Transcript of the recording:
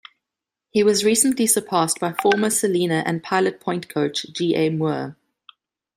He was recently surpassed by former Celina and Pilot Point coach G. A. Moore.